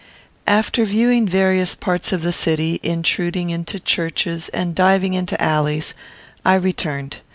After viewing various parts of the city, intruding into churches, and diving into alleys, I returned.